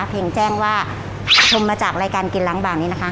แจ้งว่าชมมาจากรายการกินล้างบางนี้นะคะ